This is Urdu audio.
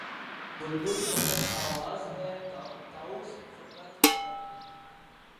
بلبل فقط آواز ہے طاؤس فقط رنگ